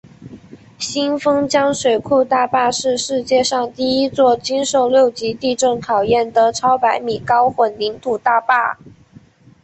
新丰江水库大坝是世界上第一座经受六级地震考验的超百米高混凝土大坝。